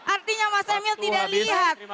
artinya mas emil tidak lihat